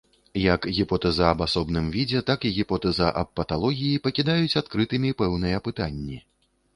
Як гіпотэза аб асобным відзе, так і гіпотэза аб паталогіі пакідаюць адкрытымі пэўныя пытанні.